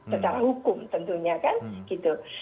secara hukum tentunya kan gitu